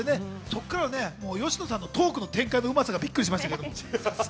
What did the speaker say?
そこからは佳乃さんのトークの展開のうまさにびっくりしました。